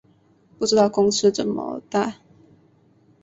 不知道公车怎么搭